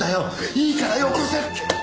いいからよこせ！